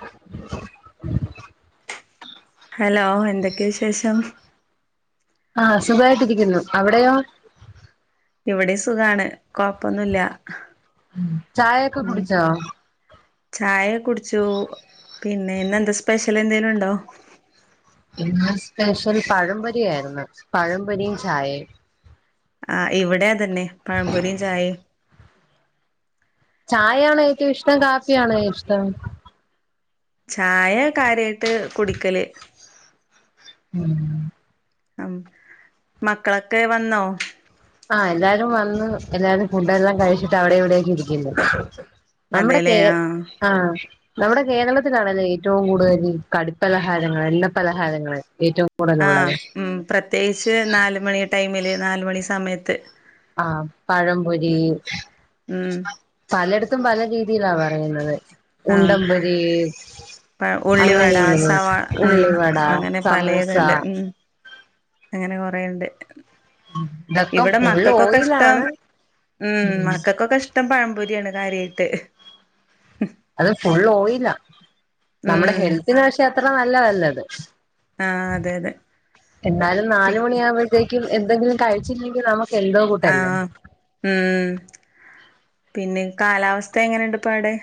[inaudible] Hello എന്തെക്കെ വിശേഷം? ആഹ് സുഖായിട്ടിരിക്കുന്നു. അവിടെയോ? ഇവിടീം സുഖാണ് കൊഴപ്പൊന്നുംല്ല. ഉം. ചായൊക്ക കുടിച്ചോ? ചായ കുടിച്ചു പിന്നെ ഇന്ന് എന്താ സ്പെഷ്യൽ എന്തേലും ണ്ടോ? ഇന്ന് സ്പെഷ്യൽ പഴം പൊരി ആയിര്ന്ന് പഴം പൊരിയും ചായേം. ആഹ് ഇവിടെ അതെന്നെ പഴപൊരിം ചായിം. ചായ ആണോ ഏറ്റവും ഇഷ്ടം കാപ്പിയാണോ ഇഷ്ടം? ചായെ കാര്യായിട്ട് കുടിക്കല്. ഉം. ഉം മക്കളൊക്കെ വന്നോ ആഹ് എല്ലാരും വന്ന് എല്ലാരും ഫുഡ് എല്ലാം കഴിച്ചിട്ട് അവിടെം ഇവിടെക്കെ ഇരിക്കുന്നു നമ്മുടെ അതെല്ലേ കേ ആ ആഹ് നമ്മുടെ കേരളത്തിലാണല്ലേ ഏറ്റവും കൂടുതൽ ഈ കടിപ്പലഹാരങ്ങള് എണ്ണപ്പലഹാരങ്ങള് ഏറ്റവും ആഹ് കൂടുതലുള്ളത് ഉം പ്രത്യേയിച്ച് നാല്മണി ടൈമില് നാലുമണി സമയത്ത് ആഹ് പഴപൊരീ ഉം പലട്ത്തും പല രീതിലാ പറയുന്നത് ആ ഉണ്ടം പൊരി പ ഉള്ളിവട അങ്ങനെ സവാള [unintelligible] ഉം ഉള്ള് വട അങ്ങനെ സമൂസ പലേതുണ്ട് ഉം അങ്ങനെ കൊറേണ്ട് ഇതൊക്കെ ഇവടെ ഫുൾ മക്കക്കൊക്ക ഷ്ടം ഓയിലാണ് ഉം മക്കക്കൊക്കെ ഷ് ട്ടം പഴംപൊരിയാണ് കാര്യായിട്ട് അത് ഫുൾ ഓയിലാ നമ്മുടെ ഉം ഹെൽത്തിന് പക്ഷേ അത്ര നല്ല നല്ലത് ആഹ് അതെ അതെ എന്നാലും പിന്നെ നാലുമണിയാവ് പേക്കും എന്തെങ്കിലും കഴിച്ചില്ലെങ്കി നമ്മക്ക് എന്തോ കൂട്ടല്ലേ ആഹ് ഉം പിന്നെ കാലാവസ്ഥ എങ്ങനെണ്ട് പ്പ അടെ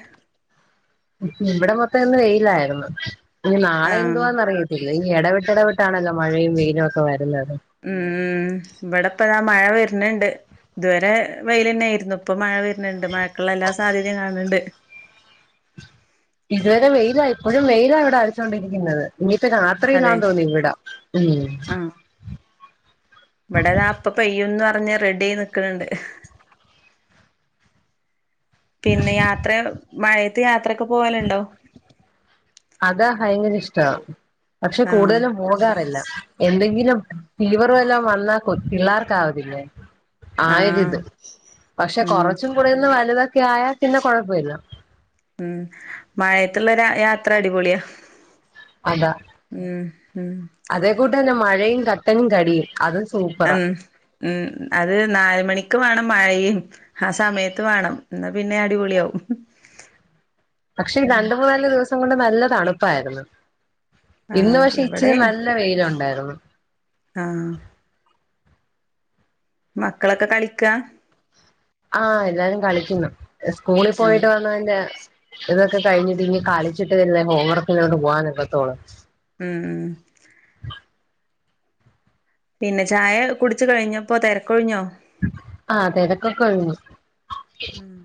ഇവിടെ മൊത്തം ഇന്ന് വെയിലായിരുന്നു ഇനി നാളെ ആഹ് എന്തുവാന്നറി ഇല്ലെഞ്ഞി എടവിട്ട് എടവിട്ടാണോ ത് അ മഴയും വെയ്ലു ഒക്കെ വരുന്നത് ഉം ബടെപ്പതാ മഴ വര്ന്ണ്ട് തുവരെ വെയ്ലെന്നെയ്രുന്നു പ്പൊ മഴ വര്ന്ണ്ട് മഴക്ക്ള്ള എല്ലാ സാധ്യതിം കാണ് ണ്ട് ഇതുവരെ വെയിലാ ഇപ്പോഴും വെയിലാ ഇവിടെ അടിച്ചോണ്ടിരിക്കുന്നത് ഇനിപ്പ രാത്രീലാ അതെ തോന്നിവിട ഉം ആഹ് പെയ്യുംന്നറഞ്ഞ് റെഡി ആയി നിക്ക്ണ് ണ്ട് പിന്നെ യാത്രെള് മഴയത്ത് യാത്രൊക്കെ പോവല്ണ്ടോ അതഹ് വയങ്കര ഇഷ്ട പക്ഷെ ആഹ് കൂടുതലും പോകാറില്ല എന്തെങ്കിലും ഫീവറ് വല്ലോം വന്നാ കുട്ട്-പിള്ളേർക്കാവതില്ലേ ആഹ് ആയിരിത് പക്ഷെ ഉം കൊറച്ചും കൂടെന്ന് വലുതൊക്കെ ആയ പിന്നെ കൊഴപ്പവില്ല ഉം മഴയത്തുള്ളൊര യാത്ര അടിപൊളിയ അത ഉം ഉം അതേ കൂട്ട് തന്നെ മഴയും കട്ടനും കടിയും അതും സൂപ്പറാ ഉം ഉം അത് നാല് മണിക്ക് വേണം മഴയും ആ സമയത്ത് വാണം ന്നാ പിന്നെ അടിപൊളിയാവും പക്ഷെ ഈ രണ്ട് മൂന്നല് ദിവസം കൊണ്ട് നല്ല തണുപ്പായിരുന്നു ഇന്ന് ആഹ് പക്ഷെ ഇവിടെ ഇച്ചി നല്ല വെയിലുണ്ടായിരുന്നു ആഹ് മക്കളൊക്കെ കളിക്കാ ആഹ് എല്ലാരും കളിക്കുന്നു എഹ് സ്കൂളി ഉം പോയിട്ട് വന്ന എൻ്റെ ഇതൊക്കെ കഴിഞ്ഞിട്ട് ഇനി കളിച്ചിട്ട് അല്ലെ ഹോം വർക്ക് ലോട്ട് പോവാൻ ഒക്കത്തൊള്ളു ഉം പിന്നെ ചായ കുടിച്ചു കഴിഞ്ഞൊ പ്പോ തെരക്കൊഴിഞ്ഞോ ആഹ് തെരക്കൊക്കൊഴിഞ്ഞു ആഹ്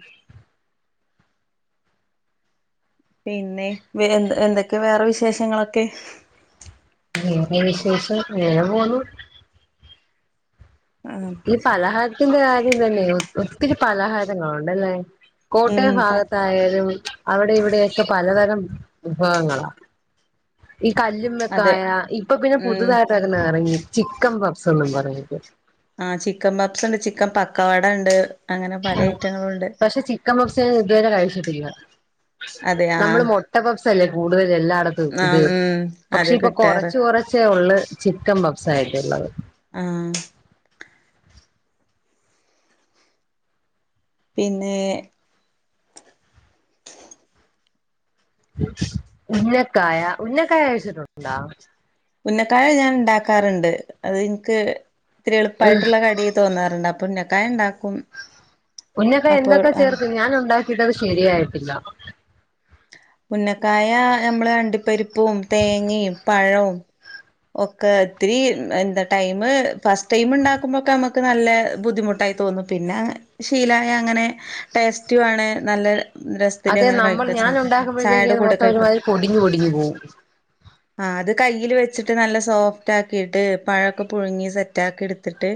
പിന്നെ വ്- എന്ത്-എന്തെക്കെ വേറെ വിശേഷങ്ങളൊക്കെ ഉം പ്പൊ വിശേഷൊ ങ്ങേനെ പോന്നു ആഹ് ഈ പലഹാരത്തിന്റെ കാര്യം തന്നെ ഒ-ഒത്തിരി പലഹാരങ്ങളുണ്ടല്ലേ ഉം കോട്ടയം പ ഭാഗത്തായാലും അവിടേം ഇവിടെയൊക്കെ പലതരം വിഭവങ്ങള ഈ അതെ കല്ലുമ്മക്കായ ഇപ്പൊ പിന്നെ ഉം പുതുതായിട്ട് ട്ടൊരെണ്ണം എറങ്ങി ചിക്കൻ പഫ്സ് എന്നും പറഞ്ഞിട്ട് ആഹ് ചിക്കൻ പപ്സ്ണ്ട് ചിക്കൻ പക്കാവട ണ്ട് ആഹ് പക്ഷെ ചിക്കൻ പഫ്സ് ഇതുവരെ കഴിച്ചിട്ടില്ല അതെ നമ്മള് ആഹ് മൊ ട്ട പഫ്സ് അല്ലെ കൂടുതൽ എല്ലാട ത്ത് ഇത് ആഹ് ഉം പക്ഷെ അത് ഇപ്പൊ കിട്ടാറ് കുറച്ച് കുറച്ചേ ഉള്ളു ചിക്കൻ പഫ്‌സായിട്ടുള്ളത് ആഹ് പിന്നെ ഉന്നക്കായ ഉന്നക്കായ കഴിച്ചിട്ടുണ്ടാ ഉന്നക്കായ ഞാൻ ഉണ്ടാക്കാറുണ്ട് അത് എനിക്ക് ഇത്തിരി എളുപ്പായിട്ടുള്ള കടിയ തോന്നാറുണ്ട് അപ്പോ ഉന്നക്കായ ഉണ്ടാക്കും ഉന്നക്കായ അപ്പോൾ എന്തൊക്കെ ചേർക്കും ഞാൻ ഉണ്ടാക്കിട്ടത് ശരിയായിട്ടില്ല ഉന്നക്കായ നമ്മള് അണ്ടി പരിപ്പും തേങ്ങയും പഴവും ഒക്കെ ഒത്തിരി എന്താ ടൈമ് ഫസ്റ്റ് ടൈമ് ഉണ്ടാക്കുമ്പോൊക്കെ നമ്മുക്ക് നല്ല ബുദ്ധിമുട്ടായി തോന്നും പിന്നെ ശീലായ അങ്ങനെ ടേസ്റ്റു വേണെ നല്ല രസ് തുല്ല്യ അതെ എങ്ങനെ നമ്മൾ കഴിക്കച്ചാ ഞാൻ ഉണ്ടാക്കുമ്പോഴത്തേക്ക് ചായയുടെ അത് കൂടെ മൊത്തം കഴിക്ക ഒരുമാതിരി പൊടിഞ്ഞു പൊടിഞ്ഞു പോവും ആഹ് അത് കയ്യില് വെ വെച്ചിട്ട് നല്ല സോഫ്റ്റാക്കീട്ട് പഴൊക്കെ പുഴുങ്ങി സെറ്റാക്കി എടുത്തിട്ട്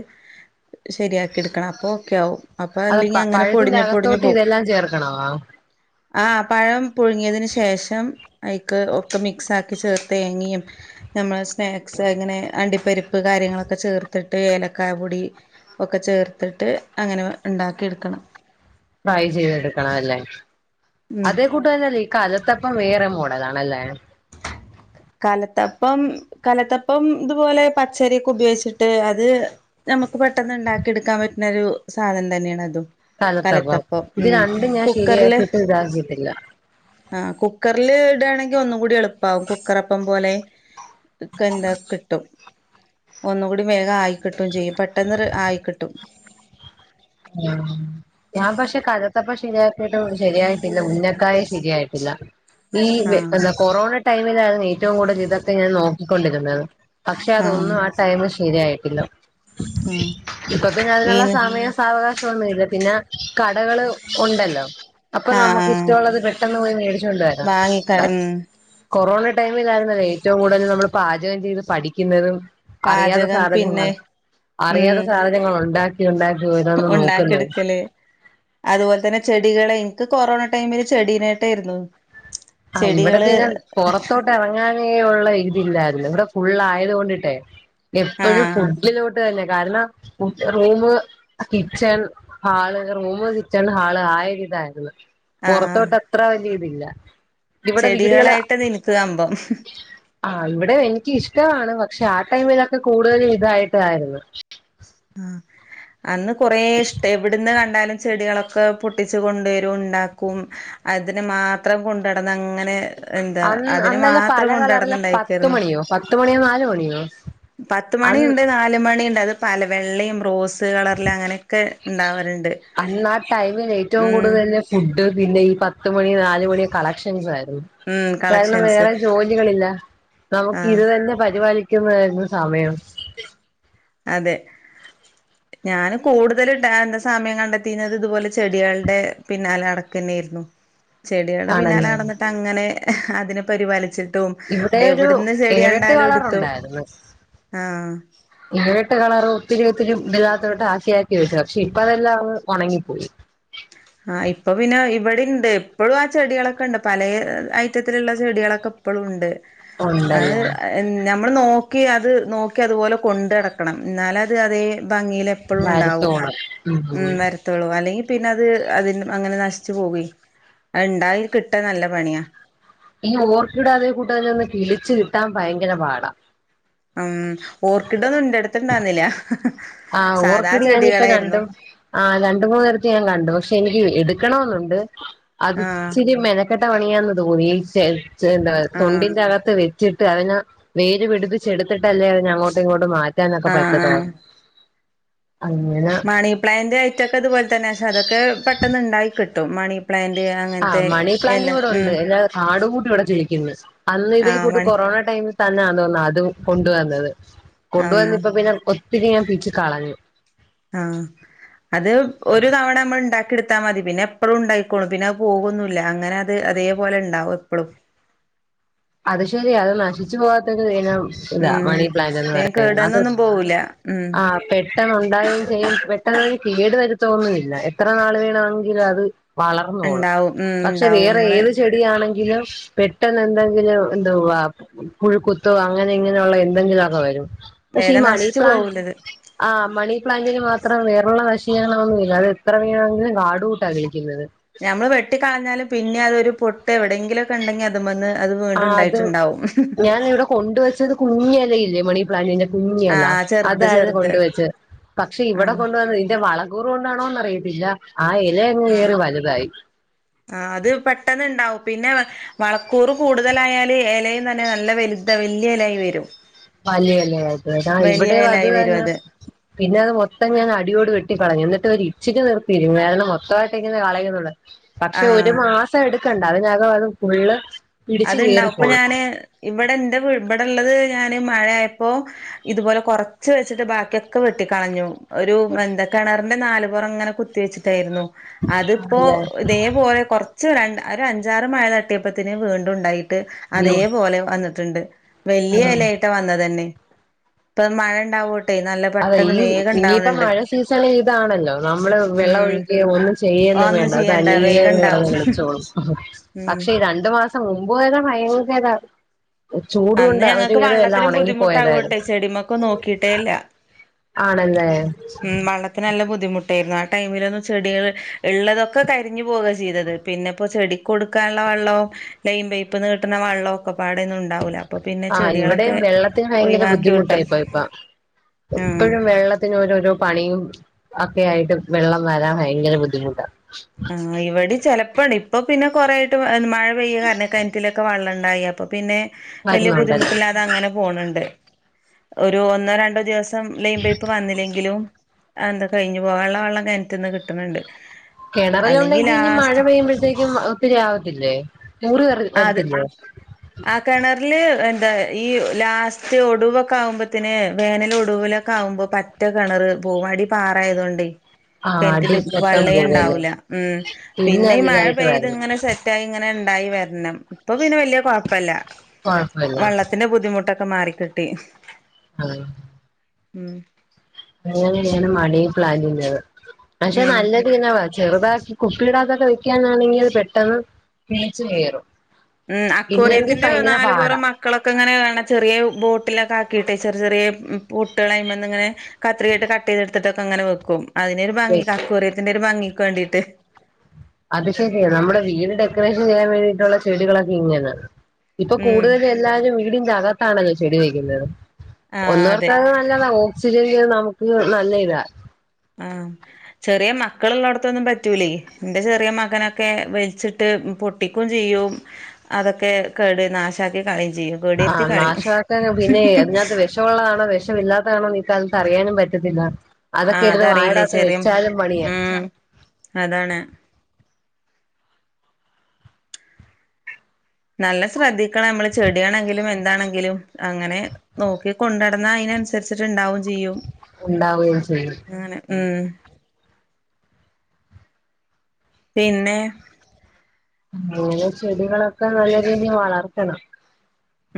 ശരിയാക്കി എടുക്കണം അപ്പൊ ഓക്കെ ആവും അപ്പൊ അത് അല്ലെങ്കി പ അങ്ങനെ പഴത്തിന്റെ പൊടിഞ്ഞ് പൊടിഞ്ഞ് അകത്തോട്ട് പോവും ഇതെല്ലാം ചേർക്കണോ ആ പഴം പുഴുങ്ങിയതിന് ശേഷം ഐക്ക് ഒക്കെ മിക്സ് ആക്കി ചേർത്ത് തേങ്ങയും നമ്മളെ സ്നാക്സ് അങ്ങനെ അണ്ടിപ്പരിപ്പ് കാര്യങ്ങളൊക്കെ ചേർത്തിട്ട് ഏലക്കായ പൊടി ഒക്കെ ചേർത്തിട്ട് അങ്ങനെ ഉണ്ടാക്കിയെടുക്കണം ഫ്രൈ ചെയ്തെടുക്കണം അല്ലേ ഉം അത് കൂട്ടന്നല്ലേ ഈ കലത്തപ്പം വേറെ മോഡലാണല്ലേ കലത്തപ്പം കലത്തപ്പം ഇതുപോലെ പച്ചരിയൊക്കെ ഉപയോഗിച്ചിട്ട് അത് നമുക്ക് പെട്ടെന്ന് ഉണ്ടാക്കി എടുക്കാൻ പറ്റുന്നൊരു സാധനം തന്നെയാണ് അതും കലത്തപ്പം ഇത് ഉം രണ്ടും ഞാൻ കുക്കറില് ശരിയാക്കിട്ട് ഇതാക്കിയിട്ടില്ല ആഹ് കുക്കറില് ഇടുകയാണെങ്കിൽ ഒന്നും കൂടി എളുപ്പാവും കുക്കറപ്പം പോലെ ഇക്കെ എന്താ കിട്ടും ഒന്നുകൂടി വേഗം ആയി കിട്ടും ചെയ്യും പെട്ടെന്നൊര് ആയി കിട്ടും ആഹ് ഞാൻ പക്ഷെ കലത്തപ്പം ശരിയാക്കിയിട്ട് ശരിയായിട്ടില്ല ഉന്നക്കായെ ശരിയായിട്ടില്ല ഈ ആഹ് എന്താ കൊറോണ ടൈമിലായിരുന്നു ഏറ്റവും കൂടുതൽ ഇതൊക്കെ ഞാൻ നോക്കിക്കൊണ്ടിരുന്നത് പക്ഷെ ആഹ് അതൊന്നും ആ ടൈമ് ശരിയായിട്ടില്ല ആഹ് ഇപ്പൊ പിന്നെ അതിനൊള്ള ഈന് സമയം സാവകാശൊന്നുല്ല പിന്നെ കടകള് ഉണ്ടല്ലോ അപ്പൊ നമുക്ക് ആഹ് ഇഷ്ടമുള്ളത് പെ ട്ടെന്ന് പോയി മേടിച്ചോണ്ട് വരാം വാങ്ങിക്ക ഉം മറ്റ് കൊറോണ ടൈമിലായിരുന്നല്ലേ ഏറ്റവും കൂടുതൽ നമ്മൾ പാചകം ചെയ്ത് പഠിക്കുന്നതും അറിയാതെ പാചകം സാധനങ്ങൾ പിന്നെ ഉം അറിയാതെ സാധനങ്ങൾ ഉണ്ടാക്കി ഉണ്ടാക്കി യ്യോ ഏതാണ്ന്ന് നോക്ക്‌ന്ന് ഉണ്ടാക്കിയെടുക്കല് അതുപോലെ തന്നെ ചെടികളെ എനിക്ക് കൊറോണ ടൈമില് ചെടീനായിട്ടായിരുന്നു ആ ഇവിടെ ചെടികള് പിന്നെ പുറത്തോട്ട് ഇറങ്ങാനേ ഉള്ള ഇതില്ലായിരുന്നു ഇവിടെ ഫുള്ള് ആയത്കൊണ്ടിട്ടേ എപ്പോഴും ആഹ് ഫുഡിലോട്ട് തന്നെ കാരണം room kitchen hall room kitchen hall ആയൊരിതാര്ന്ന് പൊറത്തോട്ട് അത്ര വല്ല്യ ഇതില്ല ഇവിടെ വീടുകള് ചെടികളായിട്ട് നിനക്ക്‌ കമ്പം ആഹ് ഇവിടെ എനിക്കും ഇഷ്ടവാണ് പക്ഷെ ആ ടൈമിലൊക്കെ കൂടുതലും ഇതായിട്ടായിരുന്നു ആഹ് അന്ന് കൊറേ ഇഷ്ടവാ എവിടുന്ന് കണ്ടാലും ചെടികളൊക്കെ പൊട്ടിച്ച് കൊണ്ടുവരും ഉണ്ടാക്കും അതിനെ മാത്രം കൊണ്ടെ നടന്ന് അങ്ങനെ എന്താ അന്ന് അതിന് അന്നെല്ലാം പല മാത്രം കൊണ്ട് നടന്ന്‌ കളറിലെ പത്ത് ഉണ്ടായിക്കാരുന്നു മണിയോ പത്ത് മണിയോ നാല് മണിയോ പത്ത് അന്ന് മണിയുണ്ട് നാല് മണിയുണ്ട് അത് പല വെള്ളയും റോസ് കളറില് അങ്ങനെയൊക്കെ ഉണ്ടാവാറുണ്ട് അന്നാ ടൈമില് ഏറ്റവും ഉം കൂടുതല് ഫുഡ് പിന്നെ ഈ പത്ത് മണി നാല് മണി കളക്ഷൻസ് ആയിരുന്നു ഉം കാരണം കളക്ഷൻസ് വേറെ ജോലികളില്ല നമുക്ക് ആഹ് ഇത് തന്നെ പരിപാടി ക്കും ആയിരുന്നു സമയം അതെ ഞാനും കൂടുതൽ ഉണ്ടാരുന്ന സമയം കണ്ടെത്തിയിരുന്നത് ഇതുപോലെ ചെടികളുടെ പിന്നാലെ നടക്കുക തന്നെയായിരുന്നു ചെടികളുടെ പിന്നാലെ ആണല്ലോ നടന്നിട്ട് അങ്ങനെ അതിനെ പരിപാലിച്ചി ട്ടും ഇവിടെ ഒരു എവിടന്ന് ചെടി ഏഴെട്ട് കണ്ടാലും എടുത്തു കളറുണ്ടായിരുന്നു ആഹ് ഏഴെട്ട് കളറ് ഒത്തിരി ഒത്തിരി ഇതിലാത്തോട്ട് ആക്കി ആക്കി വെച്ചു പക്ഷെ ഇപ്പ അതെല്ലാം അങ്ങ് ഒണങ്ങിപ്പോയി ആഹ് ഇപ്പൊ പിന്നെ ഇവിടെ ഉണ്ട് ഇപ്പളും ആ ചെടികളൊക്കെ ഉണ്ട് പല ഐറ്റത്തിലുള്ള ചെടികളൊക്കെ ഇപ്പളും ഉണ്ട് അത് ഉണ്ടല്ലേ നമ്മള് നോക്കി അത് നോക്കി അതുപോലെ കൊണ്ട നടക്കണം എന്നാലെ അത് അതേ ഭംഗിയിൽ എപ്പളും ഉണ്ടാവും ഉം നര ത്തോളൂ അല്ലെങ്കിൽ പിന്നെ അത് അതി അങ്ങനെ നശിച്ചു പോകുവേ അത് ഉണ്ടായി കിട്ടാൻ നല്ല പണിയാ ഈ ഓർക്കിഡ്‌ അതേ കൂട്ട് അതിനെ ഒന്ന് കിളിച്ച് കിട്ടാൻ ഭയങ്കര പാടാ ഉം ഓർക്കിഡൊന്നും എന്റെ അടുത്ത് ഉണ്ടായിരുന്നില്ല സാധാ ചെടികളായിരുന്നു ആ രണ്ട് മൂന്നിടത്ത് ഞാൻ കണ്ടു പക്ഷെ എനിക്ക് എടുക്കണോന്നുണ്ട് അത് ആഹ് ഇച്ചിരി മെന ക്കെട്ട പണിയാന്ന് തോന്നി എന്താ ആഹ് തൊണ്ടിന്റെ അകത്ത് വെ ച്ചിട്ട് അതിന് വേര് പിടിപ്പിച്ചെടുത്തിട്ടല്ലേ അതിനെ അങ്ങോട്ടും ഇങ്ങോട്ടും മാ റ്റാനൊക്കെ ആഹ് പറ്റത്തൊള്ളൂ ആഹ് അങ്ങനെ മണി പ്ലാന്റ് ഐറ്റവൊക്കെ അതുപോലെ തന്നെയാ പക്ഷെ അതൊക്കെ പെട്ടന്ന് ഉണ്ടായി കിട്ടും മണി പ്ലാന്റ് ആഹ് അങ്ങനത്തെ മണി പ്ലാന്റ് എല ഇവിടെ ഉണ്ട് ഉം എല്ലാ കാട് കൂട്ട് ഇവിടെ കിളിക്കുന്നു അന്ന് ഇതേ ആഹ് കൂട്ട് മണി കൊറോണ ടൈമിൽ തന്നെ ആന്ന്‌ തോന്ന്‌ അതും കൊണ്ട് വന്നത് കൊണ്ട് ഉം വന്ന്‌ ഇപ്പോ പിന്നെ ഒത്തിരി ഞാൻ പിച്ചി കളഞ്ഞു ആഹ് അത് ഒരു തവണ നമ്മള് ഉണ്ടാക്കി എടുത്താ മതി പിന്നെ എപ്പളും ഉണ്ടായിക്കോളും പിന്നെ അത് പോകുവൊന്നുമില്ല അങ്ങനെ അത് അതേപോലെ ഉണ്ടാവും എപ്പളും അത് ശെരിയാ അത് നശിച്ചു പോവാത്തത് ഇനം ഇതാ ഉം മണി പ്ലാൻ്റ് എന്ന് വേഗം പറയുന്നത് അത് കേടന്നൊന്നും പോവൂല ഉം ആഹ് പെട്ടെന്നുണ്ടാകുവെയും ചെയ്യും പെട്ടെന്ന് അത് കേട് വരുത്തുവൊന്നുമില്ല എത്ര നാള് വേണമെങ്കിലും അത് വളർന്നോളും ഉണ്ടാവും ഉം പക്ഷെ ഉണ്ടാവും വേറെ നമ്മള് ഏത് ചെടി ആണെങ്കിലും പെട്ടെന്ന് എന്തെ ങ്കിലും എന്തുവാ പുഴുക്കുത്തോ അങ്ങനെ ഇങ്ങനെയുള്ള എന്തെങ്കിലുമൊക്കെ വരും പക്ഷേ ഈ വേഗം മണി നശിച്ചു പ്ലാ പോവൂലത് ആഹ് മണി പ്ലാന്റിന് മാത്രം വേറുള്ള നശീകരണം ഒന്നുമില്ല അതാ എത്ര വേണെങ്കിലും കാട് കൂട്ടാ കിളിച്ചിന്നത് ഞമ്മള് വെട്ടിക്കളഞ്ഞാലും പിന്നെ അതൊരു പൊട്ട് എവിടെയെങ്കിലും കണ്ടെങ്കി അതിമേന്ന് അത് വീണ്ടും ഉണ്ടായിട്ടുണ്ടാവും കൊണ്ടുവെച്ചത് കുഞ്ഞ് എലയില്ലേ മണി പ്ലാൻ്റിന്റെ കുഞ്ഞല ആഹ് ചെറുത് അതായിരുന്നു ചെറുത് കൊണ്ടുവെച്ച് പക്ഷെ ഇവിടെ ആഹ് കൊണ്ട വന്നതിന്റെ വള കൂറ് കൊണ്ടാണോന്ന് അറിയത്തില്ല ആ ഇല അങ്ങ് കേറി വലുതായി ആ അത് പെട്ടെന്ന്ണ്ടാവും പിന്നെ വളക്കൂറ് കൂടുതലായല് എലയും തന്നെ നല്ല വലുത വലിയ എലായി വരും വലിയലേ എന്നാ വലിയ ഇവിടെ അത് എലായി വരും തന്ന പിന്നെ അത് മൊത്തം ഞാനടിയോടെ വെട്ടിക്കളഞ്ഞു എന്നിട്ട് ഒരു ഇച്ചിരി നിർത്തി [unintelligible] മൊത്തമായിട്ടങ്ങനെ കളയുന്നുള്ളെ പക്ഷെ ഒരു ആഹ് മാസം എടുക്കണ്ട അതിനകം അത് ഫുള്ള് പിടിച്ച് അത്ണ്ടാവും ഇപ്പൊ കേറിപ്പോവും ഞാന് ഇവിടെ ൻ്റെ ഇവിടെ ഉള്ളത് ഞാന് മഴായപ്പോ ഇതുപോലെ കുറച്ച് വെച്ചിട്ട് ബാക്കിയൊക്കെ വെട്ടിക്കളഞ്ഞു ഒരു എന്താ കിണറിന്റെ നാല് പുറം അങ്ങനെ കുത്തി വെച്ചിട്ടായിരുന്നു അതിപ്പോ ആണല്ലേ ഇതേപോലെ കുറച്ച് രണ്ട് ഒരു അഞ്ചാറ് മഴ തട്ടിയപ്പത്തിന് വീണ്ടും ഉണ്ടായി ട്ട് അതേ ഉം പോലെ വന്നിട്ടുണ്ട് വല്യയ ആ എലെ വന്ന തന്നെ ഇപ്പ മഴ ഉണ്ടാവോട്ടെ നല്ല അതെ പെട്ടെന്ന് ഈ വേഗം ഇനിയിപ്പ ഇണ്ടാവണണ്ട് മഴ സീസണി ഇതാണല്ലോ നമ്മള് വെള്ള ഉം ഒഴിക്കേ ഒന്ന് ചെയ്യന്നും ഒന്നും വേണ്ട അത് ചെയ്യണ്ട തനിയെ വേഗം കിടന്ന് ഇണ്ടാവും കിളിച്ചോളും ഉം പക്ഷെ ഈ രണ്ടു മാസം മുമ്പ് വരാ പയങ്കര ചൂട് അന്ന് കൊണ്ട് ഒരു ഞങ്ങക്ക് വിതം എല്ലാം ഉണങ്ങിപ്പോയതായിരുന്നു ഒക്കെ നോക്കിയിട്ടേല്ല ആണല്ലേ ത്തിന് നല്ല ബുദ്ധിമുട്ടേരുന്നു ആ ടൈമിലൊന്നും ചെടികൾ ഇള്ളതൊക്കെ കരിഞ്ഞു പോവാ ചെയ്തത് പിന്നെപ്പോ ചെടി കൊടുക്കാള്ള വെള്ളോ ലൈയിം പൈപ്പ്ന്ന് കിട്ടണ വെള്ളോ ഒക്കെ പാടെന്നും ഉണ്ടാവൂല അപ്പൊ പിന്നെ ആഹ് ചെടികളൊക്കെ ഇവിടെയും വെള്ളത്തിന് ഭയങ്കര ഒഴിവാക്കി ബുദ്ധിമുട്ടാ വിട്ടു ഇപ്പോ ഇപ്പോ ആഹ് ഇപ്പഴും വെള്ളത്തി ത്തിനോരോരോ പണിയും ഒക്കെയായിട്ട് വെള്ളം വരാൻ ഭയങ്കര ബുദ്ധിമുട്ടാ ആഹ് ഇവടിം ചിലപ്പോ ഇപ്പോ പിന്നെ കുറേ ആയിട്ട് മഴ പെയ്യ്ണ കാരണം കൺറ്റിലൊക്കെ വെള്ളണ്ടായി അപ്പോ പിന്നെ വല്യ വരുന്നുണ്ടല്ലേ ബുദ്ധിമുട്ടില്ലാതെ അങ്ങനെ പോണ്ണ്ട് ഒരു ഒന്നോ രണ്ടോ ദിവസം ലൈം പൈപ്പ് വന്നില്ലെങ്കിലും എന്താ കഴിഞ്ഞ് പോകൻള്ള വെള്ളം കണറ്റിന്ന് കിട്ട്ണണ്ട് കിണറല്ലാം ഉണ്ടെങ്കി ഇഞ് മഴ പെയ്യുമ്പഴത്തേക്കും ഒത്തിരി ആവത്തില്ലേ ഊറി അത് വരത്തില്ലേ ആ കിണറില് എന്താ ഈ ലാസ്റ്റ് ഒടുവൊക്കെ ആവുമ്പോത്തിന് വേനൽ ഒടൂലെ ക്കാവുമ്പോ പറ്റ കിണറ് പോവും അടി പാറ ആയതോണ്ടേ ആഹ് അടി കണറ്റില് മൊത്തം വള്ളേ പോകുവല്ലേ ഇണ്ടാവൂല്ല ഉം പിന്നെ ഈ മഴ അധികായിട്ട് പെയ്ത് വരണം ഇങ്ങനെ സെറ്റ് ആയി ഇങ്ങനെ ഇണ്ടായി വരണം ഇപ്പൊ പിന്നെ വലിയ കൊഴപ്പല്ല കൊഴപ്പമില്ല വള്ളത്തിന്റെ ബുദ്ധിമുട്ടൊക്കെ ക്കെ മാറിക്കിട്ടി അഹ് ഉം അങ്ങന ഞാൻ മണി പ്ലാന്റ് ചെയ്യുന്നത് പക്ഷെ ഉം നല്ലതനെ ചെറുതാക്കി കുപ്പിയിടകത്തൊക്കെ വെക്കാനാണെങ്കിൽ അത് പെട്ടെന്ന് പിടിച്ചു കയറും ഉം ഇല്ലെങ്കിൽ അക്കോറിയത്തിന്റെ ഭയങ്കര നാല് പാടാ പൊറം മക്കളൊക്കെ ഇങ്ങനെ കാണ ചെറിയ ബോട്ടിലൊക്കെ ആക്കിയിട്ട് ചെറിയ ചെറിയ പൊട്ടുകൾയ്മന്ന്ങ്ങനെ കത്രികയിട്ട് കട്ടയ്ത് എടുത്തിട്ടൊക്കെ അങ്ങനെ വെക്കും അതിനെ ഒരു ഭംഗി അക്കോറിയത്തിന്റെ ഒരു ഭംഗിക്ക് വേണ്ടീട്ട് അത് ശരിയാണ് നമ്മുടെ വീട് ഡെക്കറേഷൻ ചെയ്യാൻ വേണ്ടിയിട്ടുള്ള ചെടികളൊക്കെ ഇങ്ങനാ ഇപ്പൊ ഉം കൂടുതൽ എല്ലാരും വീടിന്റെ അകത്താണല്ലോ ചെടി വെക്കുന്നത് ആഹ് ഒന്നോർത്ത അതെ അത് നല്ലതാ ഓ ഓക്സിജന്റെ നമുക്ക് നല്ല ഇതാ ആഹ് ചെറിയ മക്കള്ള്ളോട്ത്തൊന്നും പറ്റൂലേ എന്റെ ചെറിയ മകനൊക്കെ വലിച്ചിട്ട് പൊ ട്ടിക്കും ചെയ്യും അതൊക്കെ കേട് നാശാക്കി കളയും ചെയ്യും കേടുവരുത്തി ആഹ് കളയും നാശാക്കാനും പിന്നെ അതിനാത്ത് വെഷ വെഷവൊള്ളതാണോ വെഷമില്ലാത്തതാണോന്ന് ഈ കാലത്ത് അറിയാനും പറ്റത്തില്ലാ അതൊക്കെ ആഹ് എടുത്ത് അതറിയില്ലേ വായെടാത്ത് ചെറിയ വെച്ചാലും പണിയാ ഉം അതാണ് നല്ല ശ്രദ്ധിക്കണം നമ്മള് ചെടിയാണെങ്കിലും എന്താണെങ്കിലും അങ്ങനെ നോക്കി കൊണ്ടടന്നാ അതിനന്സരിച്ചിട്ട് ഇണ്ടാവും ചെയ്യും ഉണ്ടാവുകയും ചെയ്യും അങ്ങനെ ഉം പിന്നെ അങ്ങനെ ചെടികളൊക്കെ നല്ല രീതി വളർത്തണം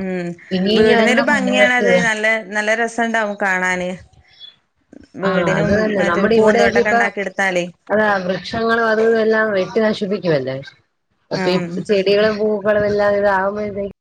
ഉം ഇനി ഇനി വരുന്ന വീടിനൊരു കുഞ്ഞുങ്ങൾക്ക് ഭംഗിയാണത് നല്ല നല്ല രസെണ്ടാവും കാണാന് ആഹ് അത് വീടിനും തന്നെ മറ്റൊരു നമ്മുടെ ഇവിടെയൊക്കെ പൂന്തോട്ടൊക്കെ ഇപ്പ ഇണ്ടാക്കി എടുത്താലേ അതാ വൃക്ഷങ്ങളും അതും ഇതും എല്ലാം വെട്ടി നശിപ്പിക്കുവല്ലേ അപ്പൊ ഈ ഉം ചെടികളും പൂ കളുവെല്ലാം ഇതാവുമ്പഴ്ത്തേക്ക്